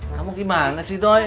kamu gimana sih doi